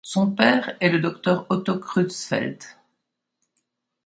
Son père est le docteur Otto Creutzfeldt.